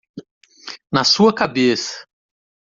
Na sua cabeça!